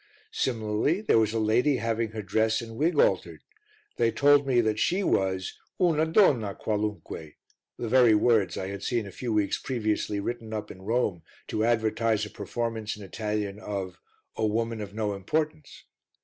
Similarly there was a lady having her dress and wig altered, they told me she was "una donna qualunque" the very words I had seen a few weeks previously written up in Rome to advertise a performance in Italian of A Woman of no Importance.